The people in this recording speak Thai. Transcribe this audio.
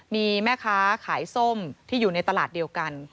มีแม่ค้าขายส้มที่อยู่ในตลาดเดียวกัน